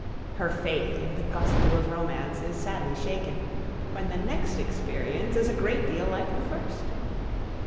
Her faith in the gospel of romance is sadly shaken, when the next experience is a great deal like the first.